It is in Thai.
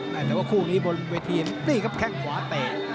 แต่ว่าคู่นี้บนเวทีนี่ครับแข้งขวาเตะ